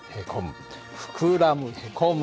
膨らむへこむ。